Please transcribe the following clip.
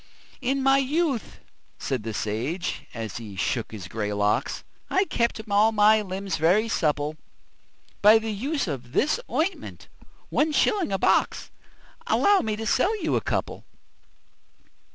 "In my youth," said the sage, as he shook his grey locks, "I kept all my limbs very supple By the use of this ointment one shilling a box Allow me to sell you a couple?"